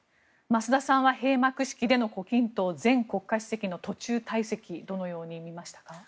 増田さんは閉幕式での胡錦涛前国家主席の途中退席どのように見ましたか？